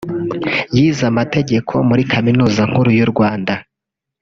yize amategeko muri Kaminuza nkuru y’u Rwanda